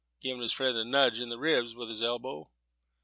giving his friend a nudge in the ribs with his elbow.